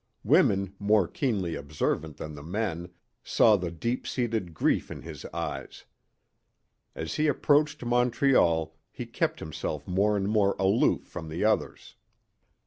Women, more keenly observant than the men, saw the deep seated grief in his eyes. As he approached Montreal he kept himself more and more aloof from the others.